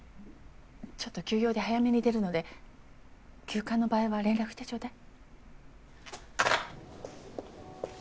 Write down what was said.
ちょっと急用で早めに出るので急患の場合は連絡してちょうだい。